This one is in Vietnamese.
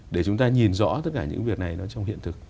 để chúng ta nhìn rõ tất cả những việc này nó trong hiện thực